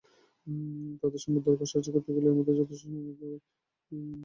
তাদের সঙ্গে দর-কষাকষি করতে গেলেও আমাদের যথেষ্ট প্রস্তুতি নিয়ে করতে হবে।